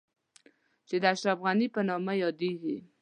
چې د اشرف غني په نامه يادېږي.